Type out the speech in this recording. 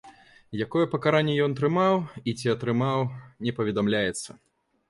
Якое пакаранне ён атрымаў і ці атрымаў, не паведамляецца.